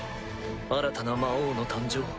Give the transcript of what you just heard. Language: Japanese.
新たな魔王の誕生。